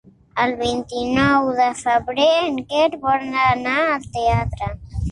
El vint-i-nou de febrer en Quer vol anar al teatre.